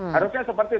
harusnya seperti itu